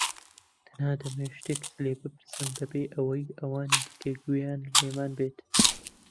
تەنها دەمەوێت شتێکت لێ بپرسم بەبێ ئەوەی ئەوانی دیکە گوێیان لێمان بێت.